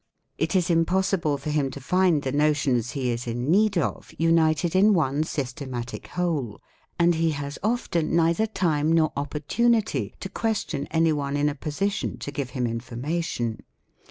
It is impossible for him to find the notions he is in need of, united in one systematic whole; and he has often neither time nor oppor tunity to question anyone in a position to give him information.